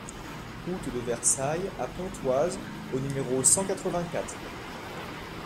Route de Versailles A Pontoise au numéro cent quatre-vingt-quatre